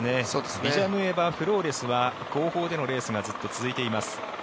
ビジャヌエバ・フローレス選手は後方でのレースがずっと続いています。